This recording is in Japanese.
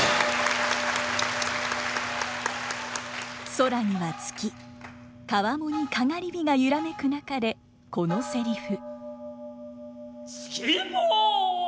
空には月川面に篝火が揺らめく中でこのセリフ。